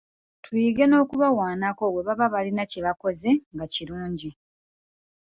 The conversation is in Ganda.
Tuyige n’okubawaanako bwe baba balina kye bakoze nga kirungi.